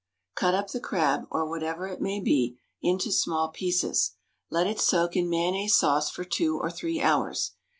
Cut up the crab, or whatever it may be, into small pieces; let it soak in mayonnaise sauce for two or three hours.